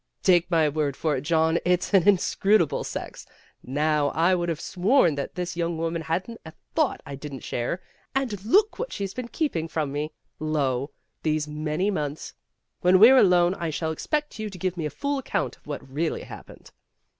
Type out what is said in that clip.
"Take my word for it, John, it's an inscrut able sex. Now, I would have sworn that this young woman hadn't a thought I didn't share, and look what she 's been keeping from me, lo ! thes e many months. When we 're alone I shall expect you to give me a full account of what really happened."